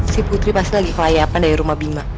si putri pasti lagi kelayapan dari rumah bima